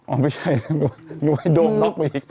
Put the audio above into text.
อ้าวไม่ใช่หนูให้โดมนอกมาอีก